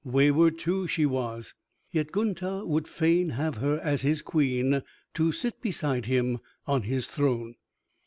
Wayward, too, she was, yet Gunther would fain have her as his queen to sit beside him on his throne.